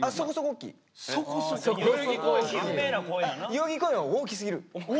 代々木公園は大きすぎる。